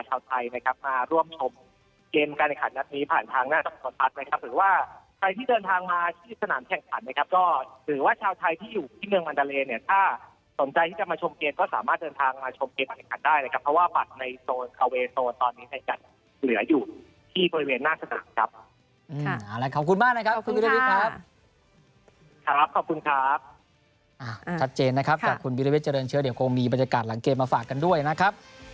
สนใจที่จะมาชมเกณฑ์ก็สามารถเดินทางมาชมเกณฑ์บรรยากาศได้นะครับเพราะว่าฝากในโซนเอาเวย์โซนตอนนี้ให้กัดเหลืออยู่ที่บริเวณน่าสนับครับอืมอ่าแล้วขอบคุณมากนะครับขอบคุณค่ะครับขอบคุณครับอ่าจัดเจนนะครับกับคุณบิริเวศเจริญเชื้อเดียวคงมีบรรยากาศหลังเกณฑ์มา